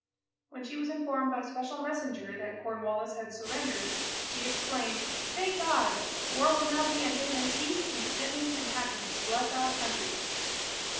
When she was informed by special messenger that Cornwallis had surrendered, she exclaimed: "Thank God! war will now be ended, and peace, Independence, and happiness, bless our Country!"